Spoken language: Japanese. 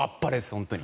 本当に。